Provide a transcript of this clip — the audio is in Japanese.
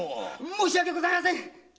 申し訳ございません！